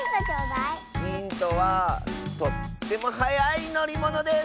ヒントはとってもはやいのりものです！